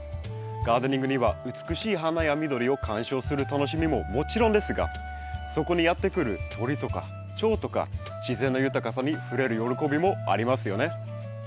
ガーデニングには美しい花や緑を観賞する楽しみももちろんですがそこにやって来る鳥とかチョウとか自然の豊かさに触れる喜びもありますよね。